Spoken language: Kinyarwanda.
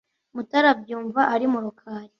mutara abyumva ari mu rukari